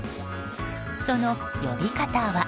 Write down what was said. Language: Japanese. その呼び方は。